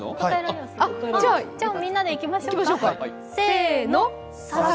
じゃ、みんなでいきましょうか。